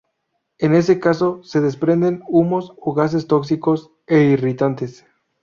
En ese caso se desprenden humos o gases tóxicos e irritantes.